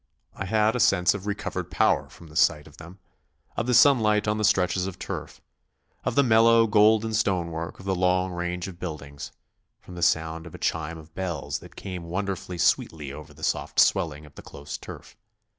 I had a sense of recovered power from the sight of them, of the sunlight on the stretches of turf, of the mellow, golden stonework of the long range of buildings, from the sound of a chime of bells that came wonderfully sweetly over the soft swelling of the close turf.